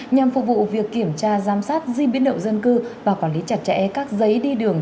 nhằm phục vụ việc kiểm tra giám sát di biến động dân cư và quản lý chặt chẽ các giấy đi đường